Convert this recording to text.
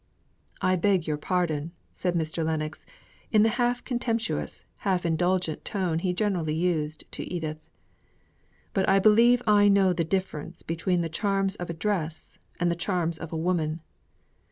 "I beg your pardon," said Mr. Lennox, in the half contemptuous, half indulgent tone he generally used to Edith. "But I believe I know the difference between the charms of a dress and the charms of a woman.